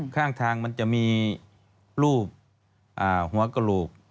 ข้างทางมันจะมีรูปหัวกระโหลก